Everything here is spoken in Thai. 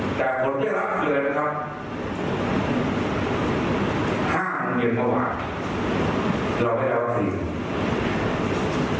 ผมแค็กไว้หมดนี่เดี๋ยวตามใจหน่วยห้างได้ไหม